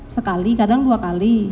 sekali kadang dua kali